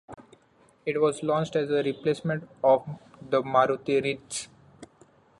It was launched as a replacement of the Maruti Ritz.